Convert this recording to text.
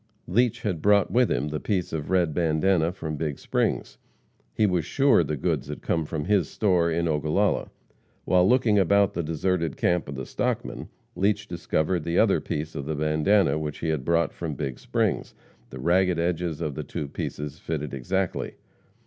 Leach had brought with him the piece of red bandana from Big Springs. He was sure the goods had come from his store in Ogallala. While looking about the deserted camp of the "stockmen," Leach discovered the other piece of the bandana which he had brought from Big Springs. The ragged edges of the two pieces fitted exactly.